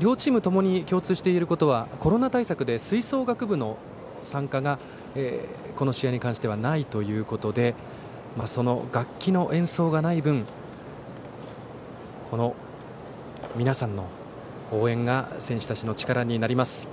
両チームともに共通していえることは、コロナ対策で吹奏楽部の参加がこの試合に関してはないということで楽器の演奏がない分この皆さんの応援が選手たちの力になります。